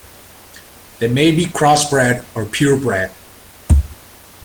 They may be crossbred or purebred.